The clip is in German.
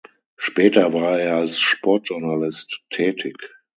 Später war er als Sportjournalist tätig.